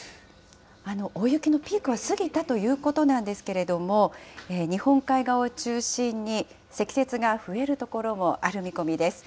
大雪のピークは過ぎたということなんですけれども、日本海側を中心に、積雪が増える所もある見込みです。